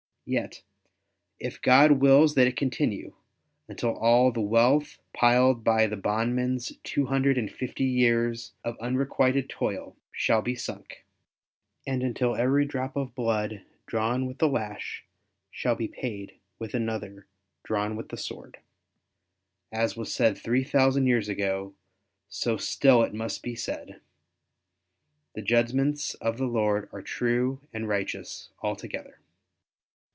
Yet, if God wills that it continue until all the wealth piled by the bondman's two hundred and fifty years of unrequited toil shall be sunk, and until every drop of blood drawn with the lash shall be paid with another drawn with the sword; as was said three thousand years ago, so still it must be said, "The judgments of the Lord are true and righteous altogether."